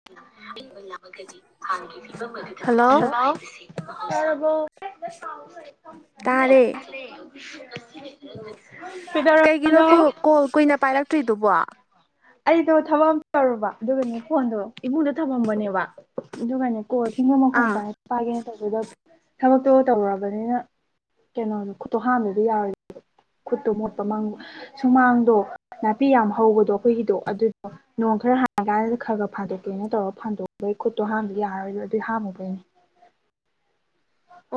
[unintelligible] ꯗꯤ ꯍꯥꯟꯅꯒꯤ ꯐꯤꯕꯝ ꯑꯗꯨꯗ ꯍꯜꯂꯣ ꯇꯔꯥꯕꯣ ꯇꯥꯔꯦ [unintelligible] ꯀꯩꯒꯤꯅꯣ ꯀꯩꯗꯧꯔꯝꯃꯤꯅꯣ ꯀꯣꯜ ꯀꯨꯏꯅ ꯄꯥꯏꯔꯛꯇ꯭ꯔꯤꯗꯨꯕꯣ ꯫ ꯑꯩꯗꯣ ꯊꯕꯛ ꯑꯃ ꯇꯧꯔꯨꯕ ꯑꯗꯨꯒꯅꯦ ꯐꯣꯟꯗꯣ ꯏꯃꯨꯡꯗꯣ ꯊꯝꯃꯝꯕꯅꯦꯕ ꯑꯗꯨꯒꯅꯦ ꯫ ꯀꯣꯜ ꯈꯤꯡꯕ ꯃꯈꯣꯟ ꯑꯥ ꯇꯥꯏ ꯄꯥꯏꯒꯦꯅ ꯇꯧꯕꯗ ꯊꯕꯛꯇꯣ ꯇꯧꯔꯨꯔꯕꯅꯤꯅ ꯀꯩꯅꯣ ꯈꯨꯇꯣ ꯍꯥꯝꯗꯗꯤ ꯌꯥꯔꯣꯏꯗꯧꯅꯤꯅ ꯫ ꯈꯨꯠꯇꯣ ꯃꯣꯠꯄ ꯃꯥꯡ ꯁꯨꯃꯥꯡꯗꯣ ꯅꯥꯄꯤ ꯌꯥꯝ ꯍꯧꯕꯗꯣ ꯑꯩꯈꯣꯏꯒꯤꯗꯣ ꯑꯗꯨꯗꯣ ꯫ ꯅꯣꯡ ꯈꯔ ꯍꯥꯡꯉꯤꯀꯥꯟꯗ ꯈꯔ ꯈꯔ ꯐꯥꯗꯣꯛꯇꯣꯏꯅ ꯇꯧꯔꯒ ꯐꯥꯗꯣꯛꯄꯩ ꯈꯨꯠꯇꯣ ꯍꯥꯡꯗꯗꯤ ꯌꯥꯔꯣꯏꯗꯣ ꯑꯗꯨꯏ ꯍꯥꯝꯃꯨꯕꯩꯅꯦ ꯫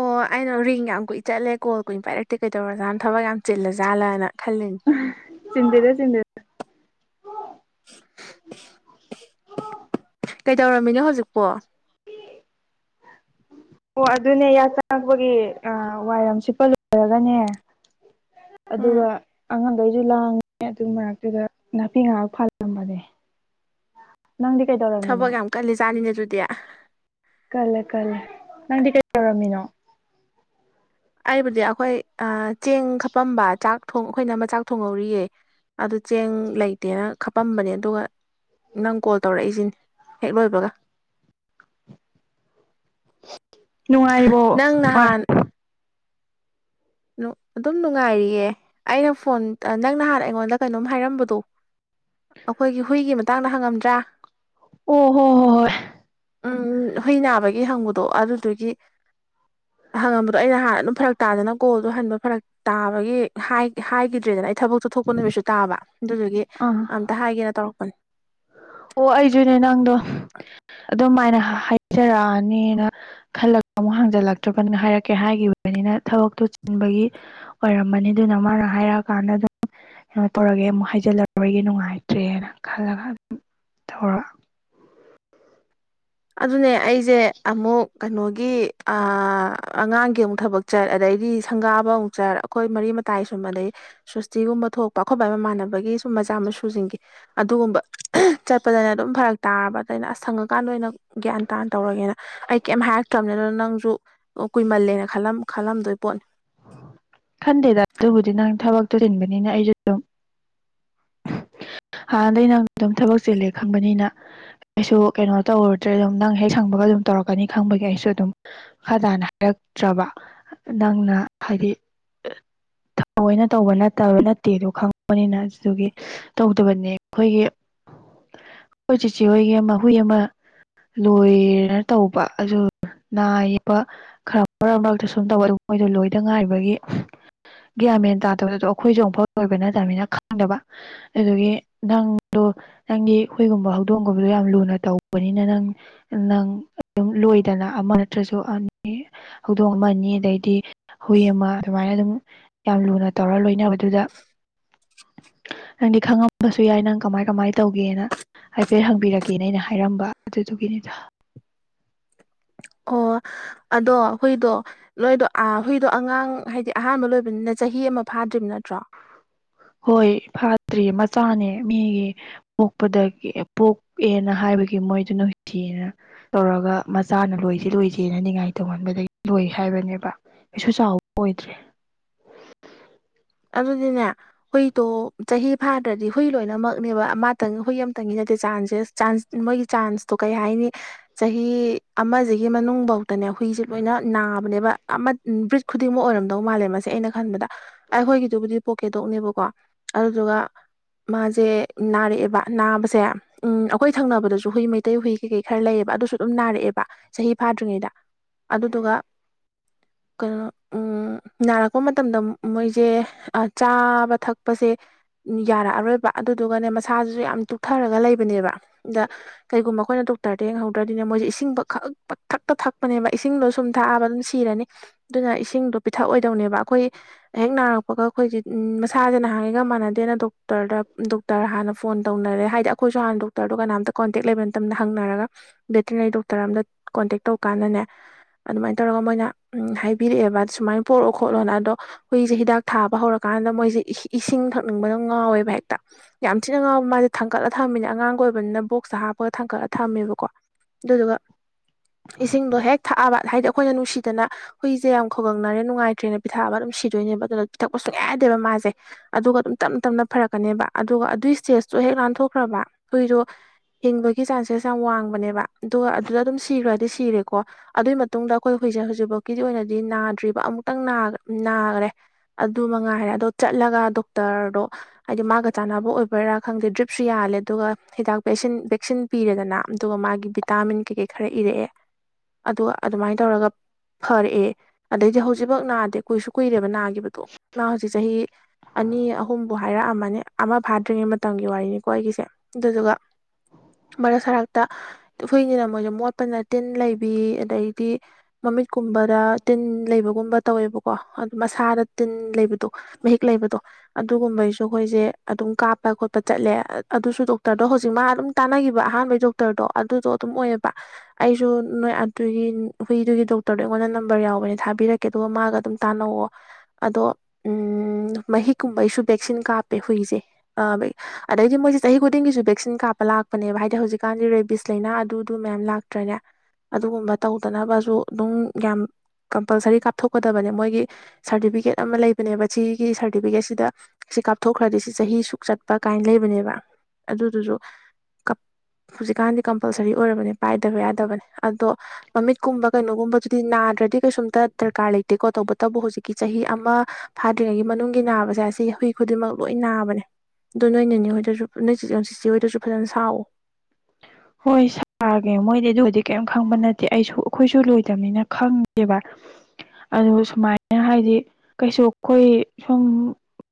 ꯑꯣ ꯑꯩꯅ ꯔꯤꯡ ꯌꯥꯝ ꯀꯨꯏ ꯆꯠꯂꯦ ꯀꯣꯜ ꯀꯨꯏꯅ ꯄꯥꯏꯔꯛꯇꯦ ꯀꯩꯗꯧꯔꯖꯥꯠꯅ ꯊꯕꯛ ꯌꯥꯝ ꯆꯤꯜꯂꯖꯥꯠꯂꯥꯅ ꯈꯜꯂꯤꯅꯤ ꯫ ꯆꯤꯟꯗꯦꯗ ꯆꯤꯟꯗꯦꯗ ꯀꯩꯇꯧꯔꯝꯃꯤꯅ ꯍꯧꯖꯤꯛꯄꯨ [inaudible] ꯑꯣ ꯑꯗꯨꯅꯦ ꯌꯥ ꯆꯪꯉꯛꯄꯒꯤ ꯋꯥꯏꯔꯝ ꯁꯤꯠꯄ ꯂꯣꯏꯔꯒꯅꯦ ꯫ ꯎꯝ ꯑꯗꯨꯒ ꯑꯉꯥꯡꯗꯩꯁꯨ ꯂꯥꯡꯉꯦ ꯑꯗꯨ ꯃꯔꯛꯇꯨꯗ ꯅꯥꯄꯤ ꯉꯥꯏꯍꯥꯛ ꯐꯜꯂꯝꯕꯅꯦ ꯫ ꯅꯪꯗꯤ ꯀꯩꯗꯧꯔꯝꯃꯤꯅꯣ ꯊꯕꯛ ꯫ ꯌꯥꯝ ꯀꯜꯂꯤꯖꯥꯠꯅꯤꯅꯦ ꯑꯗꯨꯗꯤ ꯀꯜꯂꯦ ꯀꯜꯂꯦ ꯅꯪꯗꯤ ꯀꯩ ꯇꯧꯔꯝꯃꯤꯅꯣ ꯑꯩꯕꯨꯗꯤ ꯑꯩꯈꯣꯏ ꯆꯦꯡ ꯈꯞꯄꯝꯕ ꯆꯥꯛ ꯊꯣꯡ ꯑꯩꯈꯣꯏ ꯏꯅꯥꯝꯃ ꯆꯥꯛ ꯊꯣꯡꯍꯧꯔꯤꯌꯦ ꯫ ꯑꯗꯨ ꯆꯦꯡ ꯂꯩꯇꯦꯅ ꯈꯞꯄꯝꯕꯅꯦ ꯑꯗꯨꯒ ꯅꯪ ꯀꯣꯜ ꯇꯧꯔꯛꯏꯁꯤꯅꯦ ꯍꯦꯛ ꯂꯣꯏꯕꯒ ꯫ [inaudible] ꯅꯨꯡꯉꯥꯏꯔꯤꯕꯣ ꯍꯣꯏ ꯑꯗꯨꯝ ꯅꯨꯡꯉꯥꯏꯔꯤꯌꯦ ꯑꯩꯅ ꯐꯣꯟ ꯅꯪ ꯅꯍꯥꯟ ꯑꯩꯉꯣꯟꯗ ꯀꯩꯅꯣꯝ ꯍꯥꯏꯔꯝꯕꯗꯣ ꯫ ꯑꯩꯈꯣꯏꯒꯤ ꯍꯨꯏꯒꯤ ꯃꯇꯥꯡꯗ ꯍꯪꯉꯝꯗ꯭ꯔꯥ ꯫ ꯑꯣ ꯍꯣ ꯍꯣꯏ ꯍꯣꯏ ꯎꯝ ꯍꯨꯏ ꯅꯥꯕꯒꯤ ꯍꯪꯕꯗꯣ ꯑꯗꯨꯗꯨꯒꯤ ꯍꯪꯉꯝꯕꯗꯣ ꯑꯩꯅ ꯍꯥꯟꯅ ꯑꯗꯨꯝ ꯐꯔꯛ ꯇꯥꯗꯅ ꯫ ꯀꯣꯜꯗꯣ ꯍꯟꯕ ꯐꯔꯛ ꯇꯥꯕꯒꯤ ꯍꯥꯏꯈꯤꯗ꯭ꯔꯦꯗꯅ ꯑꯩ ꯊꯕꯛꯇꯣ ꯊꯣꯛꯄ ꯅꯨꯃꯤꯠꯁꯨ ꯇꯥꯕ ꯑꯗꯨꯗꯨꯒꯤ ꯑꯥ ꯑꯝꯇ ꯍꯥꯏꯒꯦꯅ ꯇꯧꯔꯛꯄꯅꯤ ꯫ ꯑꯣ ꯑꯩꯁꯨꯅꯦ ꯅꯪꯗꯣ ꯑꯗꯨ ꯃꯥꯏꯅ ꯍꯥꯏꯖꯔꯛꯑꯅꯤꯅ꯫ ꯈꯜꯂꯒ ꯑꯃꯨꯛ ꯍꯥꯡꯖꯜꯂꯛꯇ꯭ꯔꯕꯅ ꯍꯥꯏꯔꯛꯀꯦ ꯍꯥꯏꯈꯤꯕꯅꯤꯅ ꯊꯕꯛꯇꯨ ꯆꯤꯟꯕꯒꯤ ꯫ ꯑꯣꯏꯔꯝꯕꯅꯤ ꯑꯗꯨꯅ ꯃꯥꯅ ꯍꯥꯏꯔꯛꯑꯀꯥꯟꯗ ꯑꯗꯨꯝ ꯫ ꯀꯩꯅꯣ ꯇꯧꯔꯒꯦ ꯑꯃꯨꯛ ꯍꯥꯏꯩꯖꯤꯜꯂꯔꯣꯏꯒꯦ ꯅꯨꯡꯉꯥꯏꯇ꯭ꯔꯦꯅ ꯈꯜꯂꯒ ꯑꯗꯨꯝ ꯇꯧꯔ ꯑꯗꯨꯅꯦ ꯑꯩꯁꯦ ꯑꯃꯨꯛ ꯀꯩꯅꯣꯒꯤ ꯑꯥ ꯑꯉꯥꯡꯒꯤ ꯑꯃꯨꯛ ꯊꯕꯛ ꯆꯠ ꯑꯗꯩꯗꯤ ꯁꯪꯒꯥꯕ ꯑꯃꯨꯛ ꯆꯠ ꯫ ꯑꯩꯈꯣꯏ ꯃꯔꯤ ꯃꯇꯥꯏ ꯁꯨꯝ ꯑꯗꯩ ꯁꯣꯁꯇꯤꯒꯨꯝꯕ ꯊꯣꯛꯄ ꯑꯩꯈꯣꯢꯄꯥ ꯃꯃꯥꯟꯅꯕꯒꯤ ꯁꯨꯝ ꯃꯆꯥ ꯃꯁꯨ ꯁꯤꯡꯒꯤ ꯫ ꯑꯗꯨꯒꯨꯝꯕ ꯆꯠꯄꯗꯅꯦ ꯑꯗꯨꯝ ꯐꯔꯛ ꯇꯥꯔꯕ ꯑꯗꯩꯗ ꯑꯩꯅ ꯑꯁ ꯁꯪꯉꯀꯥꯟꯗ ꯑꯣꯏꯅ ꯒ꯭ꯌꯥꯟ ꯇꯥꯅ ꯇꯧꯔꯒꯦꯅ ꯑꯩ ꯀꯩꯝ ꯍꯥꯏꯔꯛꯇ꯭ꯔꯕꯅꯤ ꯑꯗꯨꯅ ꯅꯪꯁꯨ ꯫ ꯀꯨꯏꯃꯜꯂꯦꯅ ꯈꯜꯂꯝ ꯈꯜꯂꯝꯗꯣꯏ ꯄꯣꯠꯅꯤ ꯫ ꯈꯟꯗꯦꯗ ꯑꯗꯨꯕꯨꯗꯤ ꯅꯪ ꯊꯕꯛꯇꯨ ꯆꯤꯟꯕꯅꯤꯅ ꯑꯩꯁꯨ ꯑꯗꯨꯝ ꯫ ꯍꯥꯟꯅꯗꯩ ꯅꯪ ꯑꯗꯨꯝ ꯊꯕꯛ ꯆꯤꯜꯂꯦ ꯈꯪꯕꯅꯤꯅ ꯑꯩꯁꯨ ꯀꯩꯅꯣ ꯇꯧꯔꯨꯗ꯭ꯔꯦ ꯑꯗꯨꯝ ꯅꯪ ꯍꯦꯛ ꯁꯪꯕꯒ ꯑꯗꯨꯝ ꯇꯧꯔꯛꯀꯅꯤ ꯈꯪꯕꯒꯤ ꯑꯩꯁꯨ ꯑꯗꯨꯝ ꯃꯈꯥ ꯇꯥꯅ ꯍꯥꯥꯏꯔꯛꯇ꯭ꯔꯕ ꯅꯪꯅ ꯍꯥꯏꯗꯤ ꯊꯑꯣꯏꯅ ꯇꯧꯕ ꯅꯠꯇꯕ ꯅꯠꯇꯦꯗꯣ ꯈꯪꯉꯛꯄꯅꯤꯅ ꯑꯗꯨꯒꯤ ꯇꯧꯗꯕꯅꯦ ꯑꯩꯈꯣꯏꯒꯤ ꯑꯩꯈꯣꯏ ꯆꯦꯆꯦ ꯍꯣꯏꯒꯤ ꯑꯃ ꯍꯨꯏ ꯑꯃ ꯂꯣꯏꯌꯦꯅ ꯇꯧꯕ ꯑꯗꯨ ꯅꯥꯢꯌꯦꯕ ꯈꯔ ꯃꯔꯛ ꯃꯔꯛꯇ ꯁꯨꯝ ꯇꯧꯋꯦ ꯑꯗꯨ ꯃꯣꯏꯗꯨ ꯂꯣꯏꯗ ꯉꯥꯏꯔꯤꯕꯒꯤ ꯒ꯭ꯌꯥꯟꯃꯦꯟ ꯇꯥꯗꯕꯗꯣ ꯑꯩꯈꯣꯏꯁꯨ ꯑꯃꯨꯛꯐꯥꯎ ꯂꯣꯏꯕ ꯅꯠꯇꯃꯤꯅ ꯈꯪꯗꯕ ꯑꯗꯨꯗꯨꯒꯤ ꯅꯪꯗꯨ ꯅꯪꯗꯤ ꯍꯨꯏꯒꯨꯝꯕ ꯍꯧꯗꯣꯡꯒꯨꯝꯕꯗꯨ ꯌꯥꯝ ꯂꯨꯅ ꯇꯧꯕꯅꯤꯅ ꯅꯪ ꯅꯪ ꯑꯗꯨꯝ ꯂꯣꯏꯗꯅ ꯑꯃ ꯅꯠꯇ꯭ꯔꯁꯨ ꯑꯅꯤ ꯍꯧꯗꯣꯡ ꯑꯃ ꯑꯅꯤ ꯑꯗꯩꯗꯤ ꯍꯨꯏ ꯑꯃ ꯑꯗꯨꯃꯥꯏꯅ ꯑꯗꯨꯝ ꯌꯥꯝ ꯂꯨꯅ ꯇꯧꯔꯒ ꯂꯣꯏꯅꯕꯗꯨꯗ ꯅꯪꯗꯤ ꯈꯪꯉꯝꯕꯁꯨ ꯌꯥꯏ ꯅꯪ ꯀꯃꯥꯏ ꯀꯃꯥꯏ ꯇꯧꯒꯦꯅ ꯍꯥꯏꯐꯦꯠ ꯍꯪꯕꯤꯔꯛꯀꯦꯅ ꯑꯩꯅ ꯍꯥꯏꯔꯝꯕ ꯑꯗꯨꯗꯨꯒꯤꯅꯤꯗ ꯑꯣ ꯑꯗꯣ ꯍꯨꯏꯗꯣ ꯅꯣꯏꯗꯣ ꯑꯥ ꯍꯨꯏꯗꯣ ꯑꯉꯥꯡ ꯍꯥꯏꯗꯤ ꯑꯍꯥꯟꯕ ꯂꯣꯏꯕꯅꯤꯅ ꯆꯍꯤ ꯑꯃ ꯐꯥꯗ꯭ꯔꯤꯕ ꯅꯠꯇ꯭ꯔꯣ ꯍꯣꯏ ꯐꯥꯗ꯭ꯔꯤꯌꯦ ꯃꯆꯥꯅꯦ ꯃꯤꯒꯤ ꯄꯣꯛꯄꯗꯒꯤ ꯄꯣꯛꯑꯦꯅ ꯍꯥꯏꯕꯒꯤ ꯃꯣꯏ [inaudible] ꯇꯧꯔꯒ ꯃꯆꯥꯅ ꯂꯣꯏꯁꯤ ꯂꯣꯏꯁꯤꯅ ꯅꯤꯡꯉꯥꯏ ꯇꯧꯃꯥꯟꯕꯗꯒꯤ ꯂꯣꯏ ꯍꯥꯏꯕꯅꯦꯕ ꯀꯩꯁꯨ ꯆꯥꯎꯕ ꯑꯣꯏꯗ꯭ꯔꯤ ꯑꯗꯨꯗꯤꯅꯦ ꯍꯨꯏꯗꯣ ꯆꯍꯤ ꯐꯥꯗ꯭ꯔꯗꯤ ꯍꯨꯏ ꯂꯣꯏꯅꯃꯛꯅꯦꯕ ꯃꯥꯇꯪ ꯍꯨꯏ ꯑꯃꯇꯪꯒꯤ ꯅꯠꯇꯦ ꯆꯥꯟꯁꯦꯁ ꯆꯥꯟꯁ ꯃꯣꯏꯒꯤ ꯆꯥꯟꯁꯇꯣ ꯀꯩ ꯍꯥꯏꯅꯤ ꯆꯍꯤ ꯑꯃꯁꯤꯒꯤ ꯃꯅꯨꯡꯐꯥꯎ ꯈꯛꯇꯅꯦ ꯍꯨꯏꯁꯦ ꯂꯣꯏꯅ ꯅꯥꯕꯅꯦꯕ ꯑꯃ ꯎꯪ ꯕ꯭ꯔꯤꯗ ꯈꯨꯗꯤꯡꯃꯛ ꯑꯣꯏꯔꯝꯗꯧ ꯃꯥꯜꯂꯦ ꯃꯁꯦ ꯑꯩꯅ ꯈꯟꯕꯗ ꯑꯩꯈꯣꯏꯒꯤꯗꯨꯕꯨꯗꯤ ꯄꯣꯛꯀꯦꯗꯧꯛꯅꯦꯕꯀꯣ ꯑꯗꯨꯗꯨꯒ ꯃꯥꯁꯦ ꯅꯥꯔꯛꯑꯦꯕ ꯅꯥꯕꯁꯦ ꯎꯝ ꯑꯩꯈꯣꯏ ꯊꯪꯅꯕꯗꯁꯨ ꯍꯨꯏ ꯃꯩꯇꯩ ꯍꯨꯏ ꯀꯩ ꯀꯩ ꯈꯔ ꯂꯩꯌꯦꯕ ꯑꯗꯨꯁꯨ ꯑꯗꯨꯝ ꯅꯥꯔꯛꯑꯦꯕ ꯆꯍꯤ ꯐꯥꯗ꯭ꯔꯤꯉꯩꯗ ꯑꯗꯨꯗꯨꯒ ꯀꯩꯅꯣ ꯎꯝ ꯅꯥꯔꯛꯄ ꯃꯇꯝꯗ ꯃꯣꯏ ꯁꯦ ꯆꯥꯕ ꯊꯛꯄꯁꯦ ꯌꯥꯔꯛꯑꯔꯣꯏꯕ ꯑꯗꯨꯗꯨꯒꯅꯦ ꯃꯁꯥꯁꯤꯁꯨ ꯌꯥꯝ ꯇꯨꯞꯊꯔꯒ ꯂꯩꯕꯅꯦꯕ ꯑꯗ ꯀꯩꯒꯨꯝꯕ ꯑꯩꯈꯣꯏꯅ ꯗꯣꯛꯇꯔꯗ ꯌꯦꯡꯍꯧꯗ꯭ꯔꯗꯤꯅꯦ ꯃꯣꯏꯁꯦ ꯏꯁꯤꯡ ꯄꯈꯛ ꯄꯪꯊꯛꯇ ꯊꯛꯄꯅꯦꯕ ꯏꯁꯤꯡꯗꯣ ꯁꯨꯝ ꯊꯛꯑꯕꯅꯤꯅ ꯁꯤꯔꯅꯤ ꯑꯗꯨꯅ ꯏꯁꯤꯡꯗꯣ ꯄꯤꯊꯛꯑꯣꯏꯗꯧꯅꯦꯕ ꯑꯩꯈꯣꯏ ꯍꯦꯛ ꯅꯥꯔꯛꯄꯒ ꯑꯩꯈꯣꯏꯁꯦ ꯃꯁꯥꯁꯦ ꯅꯍꯥꯟꯉꯩꯒ ꯃꯥꯟꯅꯗꯦꯅ ꯗꯣꯛꯇꯔꯗ ꯗꯣꯛꯇꯔ ꯍꯥꯟꯅ ꯐꯣꯟ ꯇꯧꯅꯔꯦ ꯍꯥꯏꯗꯤ ꯑꯩꯈꯣꯏꯁꯨ ꯍꯥꯟꯅ ꯗꯣꯛꯇꯔꯗꯣ ꯀꯅꯥꯝꯇ ꯀꯣꯟꯇꯦꯛ ꯂꯩꯕ ꯅꯠꯇꯝꯅꯤꯅꯥ ꯍꯪꯅꯔꯒ ꯕꯦꯇꯤꯅꯔꯤ ꯗꯣꯛꯇꯔ ꯑꯝꯗ ꯀꯣꯟꯇꯦꯛ ꯇꯧ ꯀꯥꯟꯗꯅꯦ ꯑꯗꯨꯃꯥꯏꯅ ꯇꯧꯔꯒ ꯃꯣꯏꯅ ꯍꯥꯏꯕꯤꯔꯛꯑꯦꯕ ꯁꯨꯃꯥꯏꯅ ꯄꯣꯔꯛꯑꯣ ꯈꯣꯠꯂꯣꯅ ꯑꯗꯣ ꯍꯨꯏꯁꯦ ꯍꯤꯗꯥꯛ ꯊꯥꯕ ꯍꯧꯔꯀꯥꯟꯗ ꯃꯣꯏꯁꯦ ꯏꯁꯤꯡ ꯊꯛꯅꯤꯡꯕꯗ ꯉꯥꯎꯋꯦꯕ ꯍꯦꯛꯇ ꯌꯥꯝ ꯊꯤꯅ ꯉꯥꯎꯕ ꯃꯥꯁꯦ ꯊꯥꯡꯀꯠꯂ ꯊꯝꯃꯤꯅꯦ ꯑꯉꯥꯡꯒ ꯑꯣꯏꯕꯅꯤꯅ ꯕꯣꯛꯁꯇ ꯍꯥꯞꯄꯒ ꯊꯥꯡꯀꯠꯂ ꯊꯝꯃꯦꯕꯀꯣ ꯑꯗꯨꯗꯨꯒ ꯏꯁꯤꯡꯗꯣ ꯍꯦꯛ ꯊꯛꯑꯕ ꯍꯥꯏꯗꯤ ꯑꯩꯈꯣꯏꯅ ꯅꯨꯡꯁꯤꯗꯅ ꯍꯨꯏꯁꯦ ꯌꯥꯝ ꯈꯧꯒꯪꯅꯔꯦ ꯅꯨꯡꯉꯥꯏꯇ꯭ꯔꯦꯅꯦ ꯄꯤꯊꯛꯑꯕꯥ ꯑꯗꯨꯝ ꯁꯤꯗꯣꯏꯅꯦꯕ ꯑꯗꯨꯅ ꯄꯤꯊꯛꯄ ꯁꯨꯡꯌꯥꯥ ꯌꯥꯗꯦꯕ ꯃꯥꯁꯦ ꯑꯗꯨꯒ ꯑꯗꯨꯝ ꯇꯞꯅ ꯇꯞꯅ ꯐꯔꯛꯀꯅꯦꯕ ꯑꯗꯨꯒ ꯑꯗꯨꯏ ꯏꯁꯇꯦꯖꯇꯨ ꯍꯦꯛ ꯂꯥꯟꯊꯣꯛꯈ꯭ꯔꯕ ꯍꯨꯏꯗꯣ ꯍꯤꯡꯕꯒꯤ ꯆꯥꯟꯁꯦꯁ ꯌꯥꯝ ꯋꯥꯡꯕꯅꯦꯕ ꯑꯗꯣ ꯑꯗꯨꯗ ꯑꯗꯨꯝ ꯁꯤꯈ꯭ꯔꯗꯤ ꯁꯤꯔꯦꯀꯣ ꯑꯗꯨꯏ ꯃꯇꯨꯡꯗ ꯑꯩꯈꯣꯏ ꯍꯨꯏꯁꯦ ꯍꯧꯖꯤꯛꯐꯥꯎꯀꯤꯗꯤ ꯑꯣꯏꯅꯗꯤ ꯅꯥꯗ꯭ꯔꯤꯕ ꯑꯃꯨꯛꯇꯪ ꯅꯥ ꯅꯥꯒꯔꯦ ꯑꯗꯨ ꯃꯉꯥꯏꯔꯦ ꯑꯗꯣ ꯆꯠꯂꯒ ꯗꯣꯛꯇꯔꯗꯣ ꯍꯥꯏꯗꯤ ꯃꯥꯒ ꯆꯥꯟꯅꯕ ꯑꯣꯏꯕꯩꯔꯥ ꯈꯪꯗꯦ ꯗ꯭ꯔꯤꯞꯁꯨ ꯌꯥꯜꯂꯦ ꯑꯗꯨꯒ ꯍꯤꯗꯥꯛ ꯚꯦꯁꯤꯟ ꯚꯦꯛꯁꯤꯟ ꯄꯤꯔꯦꯗꯅ ꯑꯗꯨꯒ ꯃꯥꯒꯤ ꯚꯤꯇꯥꯃꯤꯟ ꯀꯩꯀꯩ ꯈꯔ ꯏꯔꯛꯑꯦ ꯑꯗꯨꯒ ꯑꯗꯨꯃꯥꯏꯅ ꯇꯧꯔꯒ ꯐꯔꯛꯑꯦ ꯑꯗꯩꯗꯤ ꯍꯧꯖꯤꯛꯃꯛ ꯅꯥꯗꯦ ꯀꯨꯏꯁꯨ ꯀꯨꯏꯔꯦꯕ ꯕ ꯅꯥꯒꯤꯕꯗꯣ ꯃꯥ ꯍꯧꯖꯤꯛ ꯆꯍꯤ ꯑꯅꯤ ꯑꯍꯨꯝꯕꯨ ꯍꯥꯏꯔꯛꯑꯝꯃꯅꯤ ꯑꯃ ꯐꯥꯗ꯭ꯔꯤꯉꯩ ꯃꯇꯝꯒꯤ ꯋꯥꯔꯤꯅꯤꯀꯣ ꯑꯩꯒꯤꯁꯦ ꯑꯗꯨꯗꯨꯒ ꯃꯔꯛ ꯁꯔꯛꯇ ꯍꯨꯏꯅꯤꯅ ꯃꯣꯏꯖꯦ ꯃꯣꯠꯄꯅ ꯇꯤꯟ ꯂꯩꯕꯤ ꯑꯗꯩꯗꯤ ꯃꯃꯤꯠꯀꯨꯝꯕꯗ ꯇꯤꯟ ꯂꯩꯕꯒꯨꯝꯕ ꯇꯧꯋꯦꯕꯀꯣ ꯃꯁꯥꯗ ꯇꯤꯟ ꯂꯩꯕꯗꯣ ꯃꯍꯤꯛ ꯂꯩꯕꯗꯣ ꯑꯗꯨꯒꯨꯝꯕꯩꯖꯨ ꯑꯩꯈꯣꯏꯁꯦ ꯑꯗꯨꯝ ꯀꯥꯞꯄ ꯈꯣꯠꯄ ꯆꯠꯂꯦ ꯑꯗꯨꯁꯨ ꯗꯣꯛꯇꯔꯗꯣ ꯍꯧꯖꯤꯛ ꯃꯥ ꯑꯗꯨꯝ ꯇꯥꯟꯅꯒꯤꯕ ꯑꯍꯥꯟꯕꯩ ꯗꯣꯛꯇꯔꯗꯣ ꯑꯗꯨꯗꯣ ꯑꯗꯨꯝ ꯑꯣꯏꯌꯦꯕ ꯑꯩꯁꯨ ꯅꯣꯏ ꯑꯗꯨꯒꯤ ꯍꯨꯏꯗꯨꯒꯤ ꯗꯣꯛꯇꯔꯗꯣ ꯑꯩꯉꯣꯟꯗ ꯅꯝꯕꯔ ꯌꯥꯎꯕꯅꯦ ꯊꯥꯕꯤꯔꯛꯀꯦ ꯑꯗꯨꯒ ꯃꯥꯒ ꯑꯗꯨꯝ ꯇꯥꯅꯧꯑꯣ ꯑꯗꯣ ꯎꯝ ꯃꯍꯤꯛꯀꯨꯝꯕꯩꯁꯨ ꯚꯦꯛꯁꯤꯟ ꯀꯥꯞꯄꯦ ꯍꯨꯏꯁꯦ ꯑ ꯚꯦ ꯑꯗꯩꯗꯤ ꯃꯣꯏꯁꯦ ꯆꯍꯤ ꯈꯨꯗꯤꯡꯒꯤꯁꯨ ꯚꯦꯛꯁꯤꯟ ꯀꯥꯞꯄ ꯂꯥꯛꯄꯅꯦꯕ ꯍꯥꯏꯗꯤ ꯍꯧꯖꯤꯛꯀꯥꯟꯗꯤ ꯔꯦꯕꯤꯁ ꯂꯩꯅꯥ ꯑꯗꯨꯗꯨ ꯃꯌꯥꯝ ꯂꯥꯛꯇ꯭ꯔꯅꯦ ꯑꯗꯨꯒꯨꯝꯕ ꯇꯧꯗꯅꯕꯁꯨ ꯑꯗꯨꯝ ꯌꯥꯝ ꯀꯝꯄꯜꯁꯔꯤ ꯀꯥꯞꯊꯣꯛꯀꯗꯕꯅꯦ ꯃꯣꯏꯒꯤ ꯁꯥꯔꯇꯤꯐꯤꯀꯦꯠ ꯑꯃ ꯂꯩꯕꯅꯦꯕ ꯁꯤꯒꯤ ꯁꯥꯔꯇꯤꯐꯤꯀꯦꯠꯁꯤꯗ ꯁꯤ ꯀꯥꯞꯊꯣꯛꯈ꯭ꯔꯗꯤ ꯁꯤ ꯆꯍꯤ ꯁꯨꯛ ꯆꯠꯄ ꯀꯥꯏꯅ ꯂꯩꯕꯅꯦꯕ ꯑꯗꯨꯗꯨꯖꯨ ꯀꯞ ꯍꯧꯖꯤꯛꯀꯥꯟꯗꯤ ꯀꯝꯄꯜꯁꯔꯤ ꯑꯣꯏꯔꯕꯅꯦ ꯄꯥꯏꯗꯕ ꯌꯥꯗꯕꯅꯦ ꯑꯗꯣ ꯃꯃꯤꯠꯀꯨꯝꯕ ꯀꯩꯅꯣꯒꯨꯝꯕꯗꯨꯗꯤ ꯅꯥꯗ꯭ꯔꯗꯤ ꯀꯩꯁꯨꯝꯇ ꯗꯔꯀꯥꯔ ꯂꯩꯇꯦꯀꯣ ꯇꯧꯕꯇꯕꯨ ꯍꯧꯖꯤꯛ ꯀꯤ ꯆꯍꯤ ꯑꯃ ꯐꯥꯗ꯭ꯔꯤꯉꯩꯒꯤ ꯃꯅꯨꯡꯒꯤ ꯅꯥꯕꯁꯦ ꯑꯁꯤ ꯍꯨꯏ ꯈꯨꯗꯤꯡꯃꯛ ꯂꯣꯏ ꯅꯥꯕꯅꯦ ꯑꯗꯣ ꯅꯣꯏ ꯅꯤꯅꯦ ꯍꯣꯏꯗꯁꯨ ꯅꯣꯏ ꯆꯦꯑ ꯆꯦꯆꯦ ꯍꯧꯏꯗꯁꯨ ꯈꯔ ꯁꯥꯎꯑꯣ ꯍꯣꯏ ꯁꯥ ꯄꯥꯒꯦ ꯃꯣꯏꯗꯤ ꯑꯗꯨ ꯒꯗꯤ ꯀꯩꯝ ꯈꯪꯕ ꯅꯠꯇꯦ ꯑꯩꯁꯨ ꯑꯩꯈꯣꯏꯁꯨ ꯂꯣꯏꯗꯝꯅꯤꯅ ꯈꯪꯗꯦꯕ ꯑꯗꯨꯒ ꯁꯨꯃꯥꯏꯅ ꯍꯥꯏꯗꯤ ꯀꯩꯁꯨ ꯑꯩꯈꯣꯏ ꯁꯨꯝ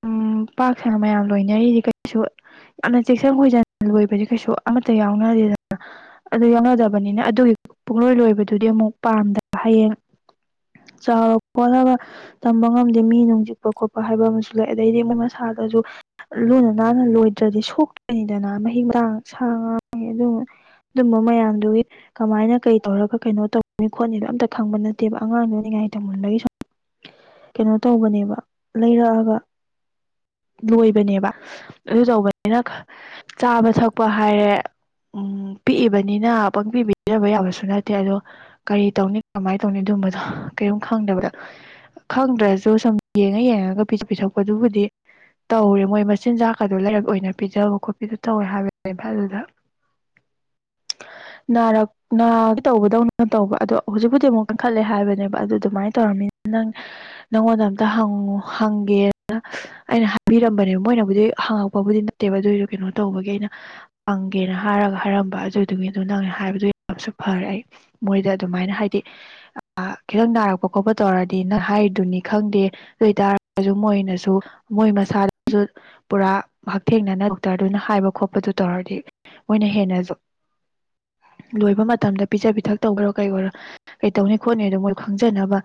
ꯎꯝ ꯄꯥꯛ ꯁꯟꯅ ꯃꯌꯥꯝ ꯂꯣꯏꯅꯔꯤꯖꯤ ꯀꯩꯁꯨ ꯌꯥꯝꯅ ꯆꯦꯛꯁꯪ ꯈꯣꯏꯖꯟ ꯂꯣꯏꯕꯖꯤ ꯀꯩꯁꯨ ꯑꯃꯠꯇ ꯌꯥꯎꯅꯗꯦꯗ ꯑꯗꯨ ꯌꯥꯎꯅꯗꯕꯅꯤꯅ ꯑꯗꯨꯒꯤ ꯄꯨꯡꯂꯣꯏ ꯂꯣꯏꯕꯗꯨꯗꯤ ꯑꯃꯨꯛ ꯄꯥꯝꯗꯕ ꯍꯌꯦꯡ ꯆꯥꯎꯔ ꯈꯣꯠꯂꯒ ꯇꯝꯕ ꯉꯝꯗꯦ ꯃꯤ ꯅꯨꯡ ꯆꯤꯛꯄ ꯈꯣꯠꯄ ꯍꯥꯏꯕ ꯑꯃꯁꯨ ꯂꯩ ꯑꯗꯩꯗꯤ ꯃꯣꯏ ꯃꯁꯥꯗꯖꯨ ꯂꯨꯅ ꯅꯥꯟꯅ ꯂꯣꯏꯗ꯭ꯔꯗꯤ ꯁꯣꯛꯀꯥꯅꯤꯗꯅ ꯃꯍꯤꯛ ꯃꯔꯥꯡ ꯁꯥ ꯉꯥ ꯒꯤ ꯑꯗꯨꯕꯨ ꯑꯗꯨꯝꯕꯥ ꯃꯌꯥꯝ ꯗꯨꯒꯤ ꯀꯃꯥꯏꯅ ꯀꯩ ꯇꯧꯔꯒ ꯀꯩꯅꯣ ꯇꯧꯅꯤ ꯈꯣꯠꯅꯤꯗꯣ ꯑꯝꯇ ꯈꯪꯕ ꯅꯠꯇꯦꯕ ꯑꯉꯥꯡꯗꯨ ꯅꯤꯡꯉꯥꯏ ꯇꯧꯃꯟꯕꯒꯤ ꯁꯨꯝ ꯀꯩꯅꯣ ꯇꯧꯕꯅꯦꯕ ꯂꯩꯔꯛꯑꯒ ꯂꯣꯏꯕꯅꯦꯕ ꯑꯗꯨ ꯇꯧꯕꯅꯤꯅ ꯆꯥꯕ ꯊꯛꯄ ꯍꯥꯏꯔꯦ ꯎꯝ ꯄꯤꯛꯏꯕꯅꯤꯅ ꯄꯪꯄꯤ ꯄꯤꯖꯕ ꯌꯥꯕꯁꯨ ꯅꯠꯇꯦ ꯑꯗꯣ ꯀꯔꯤ ꯇꯧꯅꯤ ꯀꯃꯥꯏ ꯇꯧꯅꯤ ꯑꯗꯨꯝꯕꯗꯣ ꯀꯔꯤꯝ ꯈꯪꯗꯕꯗ ꯈꯪꯗ꯭ꯔꯁꯨ ꯁꯨꯝ ꯌꯦꯡꯉ ꯌꯦꯡꯉꯒ ꯄꯤꯁ ꯄꯤꯊꯛꯄꯗꯨꯕꯨꯗꯤ ꯇꯧꯔꯦ ꯃꯣꯏ ꯃꯆꯤꯟꯖꯥꯛꯀꯗꯣ ꯂꯥꯏꯔꯛ ꯑꯣꯏꯅ ꯄꯤꯖꯕ ꯈꯣꯠꯄꯤꯗꯣ ꯇꯧꯋꯦ ꯍꯥꯏꯕꯅꯦ ꯑꯗꯨꯗ ꯅꯥꯔꯛ ꯅꯥꯒꯤ ꯇꯧꯕꯗꯧꯅ ꯇꯧꯕ ꯑꯗꯣ ꯍꯧꯖꯤꯛꯄꯨꯗꯤ ꯑꯃꯨꯛ ꯀꯟꯈꯠꯂꯦ ꯍꯥꯏꯕꯅꯦꯕ ꯑꯗꯨ ꯑꯗꯨꯃꯥꯏꯅ ꯇꯧꯔꯝꯃꯤꯅ ꯅꯪ ꯅꯪꯉꯣꯟꯗ ꯑꯝꯇ ꯍꯪꯉꯨ ꯍꯪꯒꯦꯅ ꯑꯩꯅ ꯍꯥꯏꯕꯤꯔꯝꯕꯅꯦ ꯃꯣꯏꯅꯕꯨꯗꯤ ꯍꯪꯉꯛꯄꯕꯨꯗꯤ ꯅꯠꯇꯦꯕ ꯑꯗꯨꯏꯁꯨ ꯀꯩꯅꯣ ꯇꯧꯕꯒꯤ ꯑꯩꯅ ꯀꯦꯅ ꯍꯥꯏꯔꯒ ꯍꯥꯏꯔꯝꯕ ꯑꯗꯨꯗꯨꯅꯤ ꯑꯗꯨ ꯅꯪꯅ ꯍꯥꯏꯕꯗꯨ ꯌꯥꯝꯁꯨ ꯐꯔꯦ ꯑꯩ ꯃꯣꯏꯗ ꯑꯗꯨꯃꯥꯏꯅ ꯍꯥꯏꯗꯤ ꯑ ꯈꯤꯇꯪ ꯅꯥꯔꯛꯄ ꯈꯣꯠꯄ ꯇꯧꯔꯗꯤ ꯅꯪ ꯍꯥꯏꯔꯤꯗꯨꯅꯤ ꯈꯪꯗꯦ ꯑꯗꯨꯏꯇꯥꯔ ꯃꯣꯏꯅꯁꯨ ꯃꯣꯏ ꯃꯁꯥꯗꯁꯨ ꯄꯨꯔꯥ ꯍꯛꯊꯦꯡꯅꯅ ꯗꯣꯛꯇꯔꯗꯨꯅ ꯍꯥꯏꯕ ꯈꯣꯠꯄꯗꯨ ꯇꯧꯔꯗꯤ ꯃꯣꯏꯅ ꯍꯦꯟꯅꯖꯨ ꯂꯣꯏꯕ ꯃꯇꯝꯗ ꯄꯤꯖ ꯄꯤꯊꯛ ꯇꯧꯕꯔꯣ ꯀꯩꯑꯣꯏꯔꯣ ꯀꯩꯇꯧꯅꯤ ꯈꯣꯠꯅꯤꯗꯣ ꯃꯣꯏ ꯈꯪꯖꯅꯕ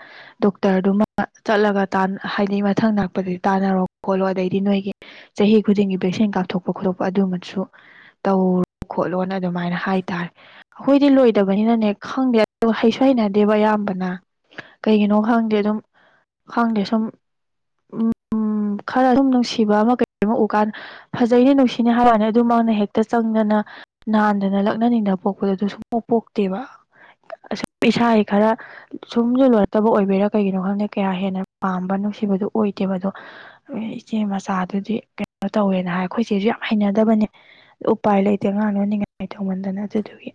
ꯗꯣꯛꯇꯔꯗꯨꯃ ꯆꯠꯂꯒ ꯇꯥꯟ ꯍꯥꯏꯗꯤ ꯃꯊꯪ ꯂꯛꯄꯗꯗꯤ ꯇꯥꯟꯅꯔꯣ ꯈꯣꯠꯂꯣ ꯑꯗꯩꯗꯤ ꯅꯣꯏꯒꯤ ꯆꯍꯤ ꯈꯨꯗꯤꯡꯒꯤ ꯚꯦꯛꯁꯤꯟ ꯀꯥꯞꯊꯣꯛꯄ ꯈꯣꯠꯇꯣꯛꯄ ꯑꯗꯨꯃꯁꯨ ꯇꯧꯔꯣ ꯈꯣꯠꯂꯣꯅ ꯑꯗꯨꯃꯥꯏꯅ ꯍꯥꯏꯇꯥꯔꯦ ꯑꯩꯈꯣꯏꯗꯤ ꯂꯣꯏꯗꯕꯅꯤꯅ ꯅꯦ ꯈꯪꯗꯦ ꯍꯩꯁꯨ ꯍꯩꯅꯗꯦꯕ ꯑꯌꯥꯝꯕꯅ ꯀꯩꯒꯤꯅꯣ ꯈꯪꯗꯦ ꯑꯗꯨꯝ ꯈꯪꯗꯦ ꯁꯨꯝ ꯎꯝ ꯈꯔ ꯑꯗꯨꯝ ꯅꯨꯡꯁꯤꯕ ꯑꯃ ꯀꯩ ꯑꯃ ꯎꯀꯥꯟ ꯐꯖꯩꯅꯦ ꯅꯨꯡꯁꯤꯅꯦ ꯍꯋꯥꯅꯤ ꯑꯗꯨ ꯃꯥꯅ ꯍꯦꯛ ꯇ ꯆꯪꯗꯅ ꯅꯥꯟꯗꯅ ꯂꯛꯅꯅꯤꯡꯕꯥ ꯄꯣꯛꯄꯗ ꯑꯗꯨ ꯁꯨꯡꯄꯣꯛ ꯄꯣꯛꯇꯦꯕ ꯏꯁꯥꯒꯤ ꯈꯔ ꯁꯨꯝꯁꯨ ꯂꯣꯏꯔꯛꯇꯕ ꯑꯣꯏꯕꯤꯔꯥ ꯀꯩꯒꯤꯅꯣ ꯈꯪꯗꯦ ꯀꯌꯥ ꯍꯦꯟꯅ ꯄꯥꯝꯕ ꯅꯨꯡꯁꯤꯕꯗꯨꯣ ꯑꯣꯏꯗꯦꯕ ꯑꯗꯣ ꯏꯆꯦ ꯃꯆꯥꯗꯨꯗꯤ ꯀꯩꯅꯣ ꯇꯧꯋꯦꯅ ꯍꯥꯏ ꯑꯩꯈꯣꯏꯁꯦꯁꯨ ꯌꯥꯝ ꯍꯩꯅꯗꯕꯅꯦ ꯎꯄꯥꯏ ꯂꯩꯇꯦ ꯉꯥꯡꯅꯨꯅꯤꯡꯉꯥꯏ ꯇꯧꯃꯟꯗꯅ ꯑꯗꯨꯗꯨꯒꯤ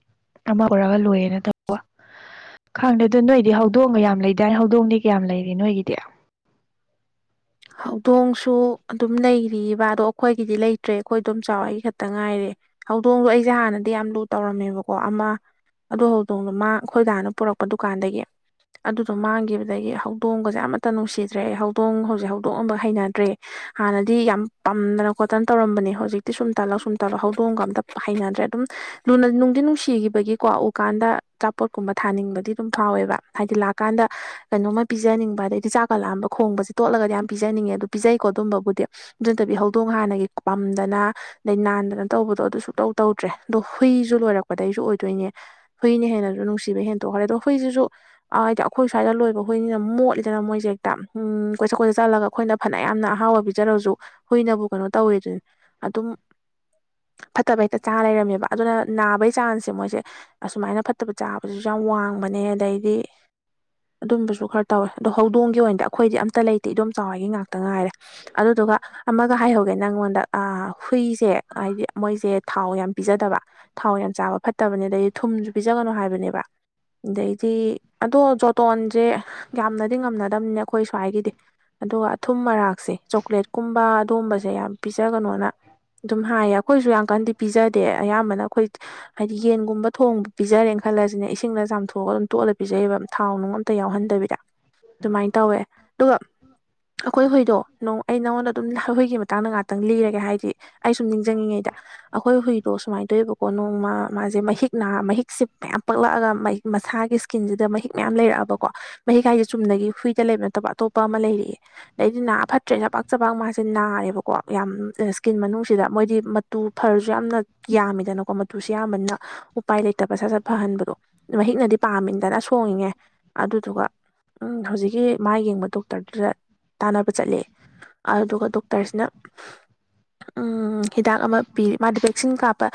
ꯑꯃ ꯄꯨꯔꯒ ꯂꯣꯏꯔ ꯇꯧꯕ ꯈꯪꯗꯦ ꯑꯗꯨ ꯅꯣꯏꯗꯤ ꯍꯧꯗꯣꯡꯒ ꯌꯥꯝ ꯂꯩꯗꯥꯏ ꯍꯧꯗꯣꯡꯗꯤ ꯀꯌꯥꯝ ꯂꯩꯔꯤ ꯅꯣꯏꯒꯤꯗꯤ ꯍꯧꯗꯣꯡꯁꯨ ꯑꯗꯨꯝ ꯂꯩꯔꯤꯕ ꯑꯗꯣ ꯑꯩꯈꯣꯏꯒꯤꯗꯤ ꯂꯩꯇ꯭ꯔꯦ ꯑꯩꯈꯣꯏ ꯑꯗꯨꯝ ꯆꯥꯎ ꯑꯩ ꯈꯛꯇ ꯉꯥꯏꯔꯦ ꯍꯧꯗꯣꯡꯁꯨꯣ ꯑꯩꯁꯦ ꯍꯥꯟꯅꯗꯤ ꯌꯥꯝ ꯂꯨ ꯇꯧꯔꯝꯃꯦꯕꯀꯣ ꯑꯃ ꯑꯗꯨ ꯍꯧꯗꯣꯡꯅ ꯃꯥ ꯑꯩꯈꯣꯏꯗꯥꯅ ꯄꯨꯔꯛꯄ ꯗꯨꯀꯥꯟꯗꯒꯤ ꯑꯗꯨꯗꯣ ꯃꯥꯡꯈꯤꯕꯗꯒꯤ ꯍꯧꯗꯣꯡꯒꯁꯦ ꯑꯃꯠꯇ ꯅꯨꯡꯁꯤꯗ꯭ꯔꯦ ꯍꯧꯗꯣꯡ ꯍꯧꯖꯤꯛ ꯍꯧ ꯍꯧꯗꯣꯛꯑꯝꯕ ꯍꯩꯅꯗ꯭ꯔꯦ ꯍꯥꯟꯅꯗꯤ ꯌꯥꯝ ꯄꯥꯝꯗꯅ ꯀꯣꯇꯟ ꯇꯧꯔꯝꯕꯅꯦ ꯍꯧꯖꯤꯛꯇꯤ ꯁꯨꯝ ꯇꯥꯜꯂꯛ ꯁꯨꯝ ꯇꯂꯛ ꯍꯧꯗꯣꯡꯒ ꯑꯝꯇ ꯍꯩꯅꯗ꯭ꯔꯦ ꯑꯗꯨꯝꯅ ꯅꯨꯡꯗꯤ ꯅꯨꯡꯁꯤꯈꯤꯕꯒꯤꯀꯣ ꯎꯀꯥꯟꯗ ꯑꯆꯥꯄꯣꯠꯀꯨꯝꯕ ꯊꯥꯅꯤꯡꯕꯗꯤ ꯑꯗꯨꯝ ꯐꯥꯎꯋꯦꯕ ꯍꯥꯏꯗꯤ ꯂꯥꯛꯀꯥꯟꯗ ꯀꯩꯅꯣꯝꯃ ꯄꯤꯖꯅꯤꯡꯕ ꯑꯗꯩꯗꯤ ꯆꯥꯛꯀꯠꯂꯛꯑꯝꯕ ꯈꯣꯡꯕꯁꯦ ꯇꯣꯠꯂꯒꯗꯤ ꯌꯥꯝ ꯄꯤꯖꯅꯤꯡꯉꯦ ꯑꯗꯨ ꯄꯤꯖꯩꯀꯣ ꯑꯗꯨꯝꯕꯕꯨꯗꯤ ꯑꯗꯨꯠꯇꯕꯤ ꯍꯧꯗꯣꯡ ꯍꯥꯟꯅꯒꯤ ꯄꯝꯗꯅ ꯑꯗꯩ ꯅꯥꯟꯗꯅ ꯇꯧꯕꯗꯣ ꯑꯗꯨ ꯁꯨꯛꯇꯧ ꯇꯧꯗ꯭ꯔꯦ ꯑꯗꯣ ꯍꯨꯏꯁꯨ ꯂꯣꯏꯔꯛꯄꯗꯒꯤꯩꯁꯨ ꯑꯣꯏꯗꯣꯏꯅꯦ ꯐꯩꯅ ꯍꯦꯟꯅꯁꯨ ꯅꯨꯡꯁꯤꯕꯩ ꯍꯦꯟꯗꯣꯛꯈ꯭ꯔꯦ ꯑꯗꯣ ꯐꯩꯁꯤꯁꯨ ꯍꯥꯏꯗꯤ ꯑꯩꯈꯣꯏ ꯁ꯭ꯋꯥꯏꯗ ꯂꯣꯏꯕ ꯍꯣꯏꯅꯤꯅ ꯃꯣꯠꯂꯤꯗꯅ ꯃꯣꯏꯁꯦꯛꯇ ꯎꯝꯣꯏ ꯁ ꯆꯠꯂꯒ ꯑꯩꯈꯣꯏꯅ ꯐꯅ ꯌꯥꯝꯅ ꯑꯍꯥꯎꯕ ꯄꯤꯖꯔꯁꯨ ꯍꯨꯏꯅꯕꯨ ꯀꯩꯅꯣ ꯇꯧꯋꯦ ꯑꯗꯨꯅ ꯑꯗꯨꯝ ꯐꯠꯇꯕ ꯍꯦꯛꯇ ꯆꯥꯡ ꯂꯩꯔꯝꯃꯦꯕ ꯑꯗꯨꯅ ꯅꯥꯕꯒꯤ ꯆꯥꯡꯁꯦ ꯃꯣꯏꯁꯦ ꯑꯁꯨꯃꯥꯏꯅ ꯐꯠꯇꯕ ꯆꯥꯕꯕꯁꯤꯁꯨ ꯌꯥꯝ ꯋꯥꯡꯕꯅꯦ ꯑꯗꯩꯗꯤ ꯑꯗꯨꯝꯕꯁꯨ ꯈꯔ ꯇꯧꯋꯦ ꯑꯗꯣ ꯍꯧꯗꯣꯡꯒꯤ ꯑꯣꯏꯅꯗꯤ ꯑꯩꯈꯣꯏꯗꯤ ꯑꯝꯇ ꯂꯩꯇꯦ ꯑꯗꯨꯝ ꯆꯥꯎꯋꯥꯏꯒꯤ ꯉꯥꯛꯇ ꯉꯥꯏꯔꯦ ꯑꯗꯨꯗꯨꯒ ꯑꯃꯒ ꯍꯥꯏꯍꯧꯒꯦ ꯅꯪꯉꯣꯟꯗ ꯑ ꯍꯨꯏꯁꯦ ꯍꯥꯏꯗꯤ ꯃꯣꯏꯁꯦ ꯊꯥꯎ ꯌꯥꯝ ꯄꯤꯖꯗꯕ ꯊꯥꯎ ꯌꯥꯝ ꯆꯥꯕ ꯐꯠꯇꯕꯅꯦ ꯑꯗꯩꯗꯤ ꯊꯨꯝꯁꯨ ꯄꯤꯖꯒꯅꯨ ꯍꯥꯏꯕꯅꯦꯕ ꯑꯗꯩꯗꯤ ꯑꯗꯣ ꯖꯣꯇꯣꯟꯁꯦ ꯌꯥꯝꯅꯗꯤ ꯉꯝꯅꯗꯗꯝꯅꯦ ꯑꯩꯈꯣꯏ ꯁ꯭ꯋꯥꯏꯒꯤꯗꯤ ꯑꯗꯨꯒ ꯑꯊꯨꯝ ꯃꯔꯥꯛꯁꯦ ꯆꯣꯀ꯭ꯂꯦꯠꯀꯨꯝꯕ ꯑꯗꯨꯒꯕꯁꯦ ꯌꯥꯝ ꯄꯤꯖꯒꯅꯣꯅ ꯑꯗꯨꯝ ꯍꯥꯏꯌꯦ ꯑꯩꯈꯣꯏꯁꯨ ꯌꯥꯝ ꯀꯟꯗꯤ ꯄꯤꯖꯗꯦ ꯑꯌꯥꯝꯕꯅ ꯑꯩꯈꯣꯏ ꯍꯥꯏꯗꯤ ꯌꯦꯟꯒꯨꯝꯕ ꯊꯣꯡꯕ ꯄꯤꯖꯔꯦꯅ ꯈꯜꯂꯁꯤꯅꯦ ꯏꯁꯤꯡꯗ ꯆꯥꯝꯊꯣꯛꯑꯒ ꯑꯗꯨꯝ ꯇꯣꯠꯂꯒ ꯄꯤꯖꯩꯕ ꯊꯥꯎ ꯅꯨꯡ ꯑ ꯇ ꯌꯥꯎꯍꯟꯗꯕꯤꯗ ꯑꯗꯨꯃꯥꯏꯅ ꯇꯧꯋꯦ ꯑꯗꯨꯒ ꯑꯩꯈꯣꯏꯍꯣꯏꯗꯣ ꯑꯩ ꯅꯪꯉꯣꯟꯗ ꯑꯗꯨꯝ ꯍꯣꯏꯒꯤ ꯃꯇꯥꯡꯗ ꯉꯍꯥꯛꯇꯪ ꯂꯤꯔꯒꯦ ꯍꯥꯏꯗꯤ ꯑꯩ ꯁꯨꯝ ꯅꯤꯡꯁꯤꯡꯉꯤꯉꯩꯗ ꯑꯩꯈꯣꯏ ꯍꯨꯏꯗꯣ ꯁꯨꯃꯥꯏꯅ ꯇꯧꯋꯦꯕꯀꯣ ꯅꯣꯡꯃ ꯃꯥꯁꯦ ꯃꯍꯤꯛ ꯅꯥ ꯃꯍꯤꯛꯁꯦ ꯃꯌꯥꯝ ꯄꯛꯂꯛꯑꯒꯤ ꯃꯁꯥꯒꯤ ꯁꯀꯤꯟꯁꯤꯗ ꯃꯍꯤꯛ ꯃꯌꯥꯝ ꯂꯩꯔꯛꯑꯕꯀꯣ ꯃꯍꯤꯛ ꯍꯥꯏꯥꯏꯁꯦ ꯆꯨꯝꯅꯒꯤ ꯍꯨꯏꯗ ꯂꯩꯕ ꯅꯠꯇꯕ ꯑꯇꯣꯞꯄ ꯑꯃ ꯂꯩꯔꯤ ꯑꯗꯩꯗꯤ ꯅꯥ ꯐꯠꯇ꯭ꯔꯦ ꯆ ꯄꯥꯛ ꯆꯄꯥꯛ ꯃꯥꯁꯦ ꯁ ꯅꯥꯔꯦꯕꯀꯣ ꯌꯥꯝ ꯏꯁ꯭ꯀꯤꯟ ꯃꯅꯨꯡꯁꯤꯗ ꯃꯣꯏꯗꯤ ꯃꯇꯨ ꯐꯔꯁꯨ ꯌꯥꯝꯅ ꯌꯥꯝꯃꯤꯗꯅꯀꯣ ꯃꯇꯨꯁꯦ ꯌꯥꯝꯕꯅ ꯎꯄꯥꯏ ꯂꯩꯇꯕ ꯁꯠ ꯁꯠ ꯐꯍꯟꯕꯗꯣ ꯃꯍꯤꯛꯅꯗꯤ ꯄꯥꯝꯃꯤꯟꯗꯅ ꯁꯣꯡꯉꯉꯦ ꯑꯗꯨꯗꯨꯒ ꯎꯝ ꯍꯧꯖꯤꯛꯀꯤ ꯃꯥꯥꯏ ꯌꯦꯡꯕ ꯗꯣꯛꯇꯔꯗꯨꯗ ꯇꯥꯟꯅꯕ ꯆꯠꯂꯦ ꯑꯗꯨꯗꯨ ꯗꯣꯛꯇꯔꯁꯤꯅ ꯍꯤꯗꯥꯛ ꯑꯃ ꯄꯤꯔꯤ ꯃꯥꯗꯤ ꯚꯦꯛꯁꯤꯟ ꯀꯥꯞꯄ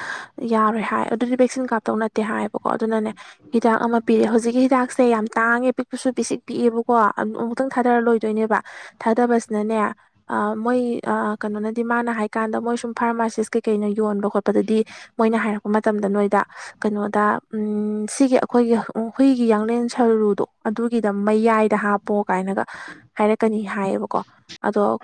ꯌꯥꯔꯣꯏ ꯍꯥꯏ ꯑꯗꯨꯗꯤ ꯚꯦꯛꯁꯤꯟ ꯀꯥꯞꯇꯧꯅ ꯦ ꯍꯥꯏꯌꯦꯕꯀꯣ ꯑꯗꯨꯅꯅꯦ ꯍꯤꯗꯥꯛ ꯑꯃ ꯄꯤꯔꯛꯑꯦ ꯍꯧꯖꯤꯛꯀꯤ ꯍꯤꯗꯥꯛꯁ ꯁꯦ ꯌꯥꯝ ꯇꯥꯡꯉꯦ ꯄꯤꯛꯄꯁꯨ ꯄꯤꯁꯤꯛ ꯄꯤꯛꯦꯕꯀꯣ ꯑꯃꯨꯛꯇꯪ ꯊꯥꯗꯔ ꯂꯣꯏꯗꯣꯏꯅꯦꯕ ꯊꯥꯗꯕꯁꯅꯅꯦ ꯃꯣꯏ ꯀꯩꯅꯣꯅꯗꯤ ꯃꯥꯅ ꯍꯥꯏꯀꯥꯟꯗ ꯃꯣꯏ ꯁꯨꯝ ꯐꯥꯔꯃꯥꯁꯤꯁ ꯀꯩꯀꯩꯅ ꯌꯣꯟꯕ ꯈꯣꯠꯄꯗꯗꯤ ꯃꯣꯏꯅ ꯍꯥꯏꯔꯛꯄ ꯃꯇꯝꯗ ꯅꯣꯏꯗ ꯀꯩꯅꯣꯗ ꯁꯤꯒꯤ ꯑꯩꯈꯣꯏꯒꯤ ꯍꯨꯏꯒꯤ ꯌꯥꯡꯂꯦꯟ ꯁꯔꯨꯗꯣ ꯑꯗꯨꯒꯤꯗ ꯃꯌꯥꯏꯗ ꯍꯥꯞꯄ ꯄꯣ ꯀꯥꯏꯅꯒ ꯀꯅꯤ ꯍꯥꯏꯌꯦꯕꯀꯣ ꯑꯗꯣ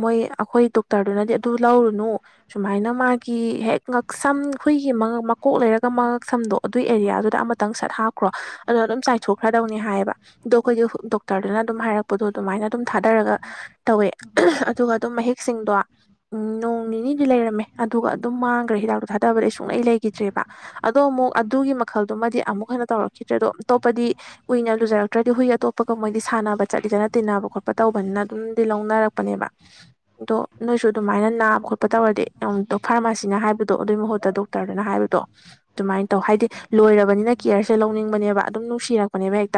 ꯃꯣꯏ ꯑꯩꯈꯣꯏ ꯗꯣꯛꯇꯔꯗꯨꯅꯗꯤ ꯑꯗꯨ ꯂꯧꯔꯨꯅꯨ ꯁꯨꯃꯥꯏꯅ ꯃꯥꯒꯤ ꯍꯦꯛ ꯉꯛꯁꯝ ꯍꯨꯏꯒꯤ ꯃꯀꯣꯛ ꯂꯩꯔꯒ ꯃꯥ ꯉꯛꯁꯝꯗꯣ ꯑꯗꯨꯒꯤ ꯑꯦꯔꯤꯌꯥꯗꯨꯗ ꯑꯃ ꯈꯤꯇꯪ ꯁꯠ ꯍꯥꯞꯈ꯭ꯔꯣ ꯑꯗꯨꯣ ꯑꯗꯨꯝ ꯆꯥꯏꯊꯣꯛꯈ꯭ꯔꯗꯧꯅꯤ ꯍꯥꯏꯌꯦꯕ ꯑꯗꯣ ꯑꯩꯈꯣꯏꯒꯤ ꯗꯣꯛꯇꯔꯗꯨꯅ ꯑꯗꯨꯝ ꯍꯥꯏꯔꯛꯄꯗꯣ ꯑꯗꯨꯃꯥꯏꯅ ꯑꯗꯨꯝ ꯊꯥꯗꯔꯒ ꯇꯧꯋꯦ ꯑꯗꯨꯒ ꯑꯗꯨꯝ ꯃꯍꯤꯛꯁꯤꯡꯗꯣ ꯎꯝ ꯅꯣꯡ ꯅꯤꯅꯤꯗꯤ ꯂꯩꯔꯝꯃꯦ ꯑꯗꯨꯒ ꯑꯗꯨꯝ ꯃꯥꯡꯒ꯭ꯔꯦ ꯍꯤꯗꯥꯛꯇꯣ ꯊꯥꯗꯕꯗ ꯁꯨꯡꯂꯩ ꯂꯩꯈꯤꯗ꯭ꯔꯦꯕ꯫ ꯑꯗꯣ ꯑꯃꯨꯛ ꯑꯗꯨꯒꯤ ꯃꯈꯜꯗꯨꯃꯗꯤ ꯑꯃꯨꯛ ꯍꯟꯅ ꯇꯧꯔꯛꯈꯤꯗ꯭ꯔꯦ ꯑꯗꯣ ꯑꯇꯣꯞꯄꯗꯤ꯫ ꯀꯨꯏꯅ ꯂꯨꯖꯔꯛꯇ꯭ꯔꯗꯤ ꯍꯨꯏ ꯑꯇꯣꯞꯄꯒ ꯃꯣꯏꯗꯤ ꯁꯥꯟꯅꯕ ꯆꯠꯂꯤꯗꯅ ꯇꯤꯟꯅꯕ ꯈꯣꯠ ꯄ ꯇꯧꯕꯅꯤꯅ ꯑꯗꯨꯝꯗꯤ ꯂꯧꯅꯔꯛꯄꯅꯦꯕ꯫ ꯑꯗꯣ ꯅꯣꯏꯁꯨ ꯑꯗꯨꯃꯥꯏꯅ ꯅꯥꯕ ꯈꯣꯠꯄ ꯇꯧꯔꯗꯤ ꯐꯥꯔꯃꯥꯁꯤꯅ ꯍꯥꯏꯕꯗꯣ ꯑꯗꯨꯏ ꯃꯍꯨꯠꯇ ꯑꯗꯨ ꯇꯔꯗꯅ ꯍꯥꯏꯕꯗꯣ꯫ ꯑꯗꯨꯃꯥꯏꯅ ꯇꯧ ꯍꯥꯏꯗꯤ ꯂꯣꯏꯔꯕꯅꯤꯅ ꯀꯤꯌꯔꯁꯦ ꯂꯧꯅꯤꯡꯕꯅꯦꯕ ꯑꯗꯨꯝ ꯅꯨꯡꯁꯤꯔꯛꯄꯅꯦꯕ ꯍꯦꯛꯇ꯫